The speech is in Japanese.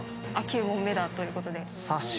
９問目だということで。